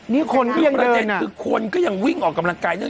นี่คนก็ยังเดินอ่ะคือคนก็ยังวิ่งออกกำลังกายเนอะ